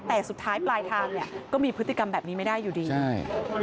แต่สุดท้ายปลายทางเนี่ยก็มีพฤติกรรมแบบนี้ไม่ได้อยู่ดีใช่